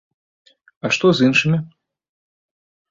А што з іншымі?